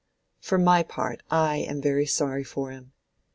For my part I am very sorry for him.